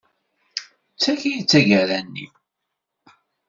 D tagi i d tagara-nni.